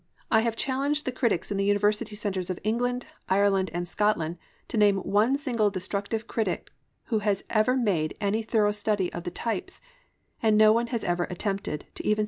I have challenged the critics in the University centres of England, Ireland and Scotland to name one single destructive critic who had ever made any thorough study of the types, and no one has ever attempted to even suggest one.